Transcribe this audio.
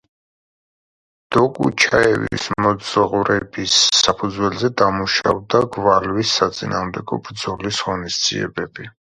დოკუჩაევის მოძღვრების საფუძველზე დამუშავდა გვალვის საწინააღმდეგო ბრძოლის ღონისძიებები.